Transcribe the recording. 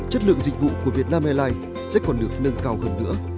chất lượng dịch vụ của vietnam airlines sẽ còn được nâng cao hơn nữa